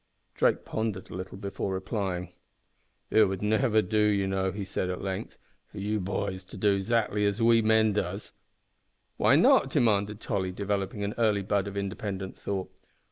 Drake pondered a little before replying. "It would never do, you know," he said, at length, "for you boys to do 'zackly as we men does." "Why not?" demanded Tolly, developing an early bud of independent thought.